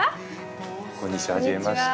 こんにちははじめまして。